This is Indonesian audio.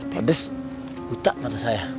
pedas buta mata saya